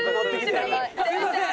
すいません！